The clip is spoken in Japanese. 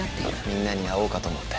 みんなに会おうかと思って。